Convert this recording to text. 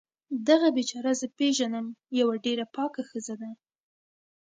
دغه بیچاره زه پیږنم یوه ډیره پاکه ښځه ده